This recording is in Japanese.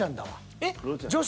えっ？